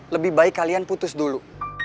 lebih baik kalian putus dulu